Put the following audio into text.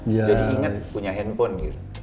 jadi inget punya handphone gitu